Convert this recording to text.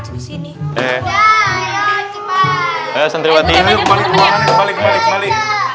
kembali kembali kembali